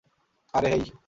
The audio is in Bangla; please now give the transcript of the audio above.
আরে, হেই!